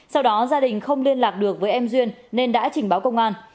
sau đó gia đình không liên lạc được với em duyên nên đã trình báo công an